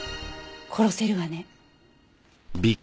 殺せるわね。